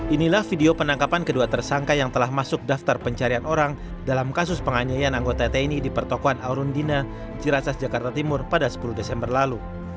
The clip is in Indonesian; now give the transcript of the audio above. inilah video penangkapan kedua tersangka yang telah masuk daftar pencarian orang dalam kasus penganiayaan anggota tni di pertokohan aurundina ciracas jakarta timur pada sepuluh desember lalu